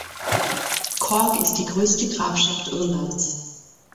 Cork ist die größte Grafschaft Irlands.